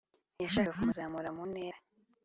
yashakaga kumuzamura mu ntera